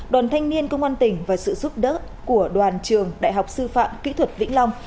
đoàn thanh niên công an tỉnh và sự giúp đỡ của đoàn trường đại học sư phạm kỹ thuật vĩnh long